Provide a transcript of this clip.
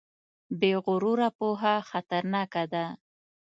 بې غروره پوهه خطرناکه ده.